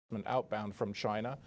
tôi nghĩ có rất ít dòng trở lại